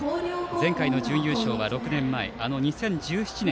前回の準優勝は２０１７年